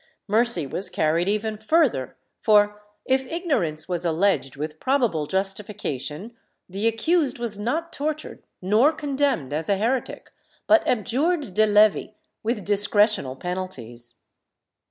Mercy was carried even further for, if ignorance was alleged with probable justification, the accused was not tortured nor condemned as a heretic, but abjured de levi, with discretional penalties.